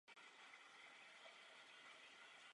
Jejími zakladateli byli Židé z Maďarska.